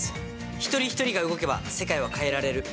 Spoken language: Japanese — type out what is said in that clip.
一人一人が動けば世界は変えられる。